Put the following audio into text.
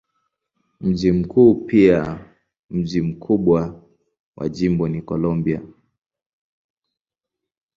Mji mkuu pia mji mkubwa wa jimbo ni Columbia.